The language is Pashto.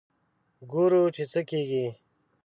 ګورو چې څه کېږي.